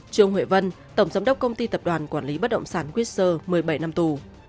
trương huệ vân tổng giám đốc công ty tập đoàn quản lý bất động sản witter một mươi bảy năm tù